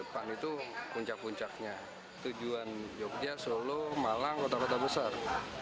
pan itu puncak puncaknya tujuan jogja solo malang kota kota besar